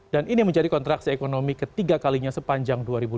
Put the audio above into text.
dan ini menjadi kontraksi ekonomi ketiga kalinya sepanjang dua ribu dua puluh